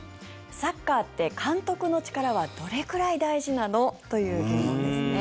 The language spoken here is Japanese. サッカーって監督の力はどれくらい大事なの？という疑問ですね。